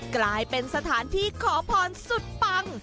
กลายเป็นสถานที่ขอพรสุดปัง